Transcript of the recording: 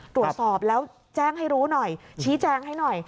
ตรวจสอบแล้วแจ้งให้รู้หน่อยชี้แจงให้หน่อย